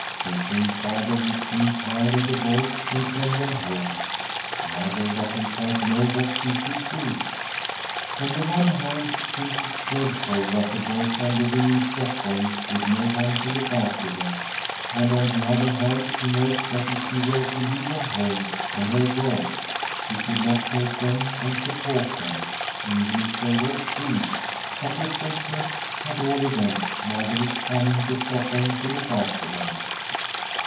They think father will soon tire of the boys and send them home. Mother doesn't quite know what she should do. On the one hand she thinks it dreadful that the boys are living in Stockholm with no one to look after them, and on the other hand she knows that if she were to leave her home and her work, she could not take them and support them, even if they were freed. But for Christmas, at all events, mother is coming to Stockholm to look after them.